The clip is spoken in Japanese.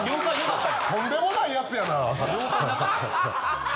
とんでもない奴やな。